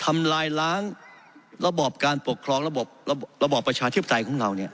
ทำลายล้างระบอบการปกครองระบบระบอบประชาธิปไตยของเรา